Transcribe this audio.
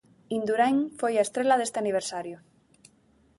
Induráin foi a estrela deste aniversario.